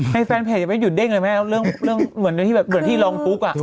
ให้แฟนเพจยังไม่หยุดเด้งเลยแม่เรื่องเหมือนที่ร้องทุกอ่ะ